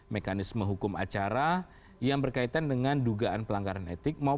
mekanisme hukum acara yang berkaitan dengan dugaan pelanggaran etik maupun pelanggaran ekonomi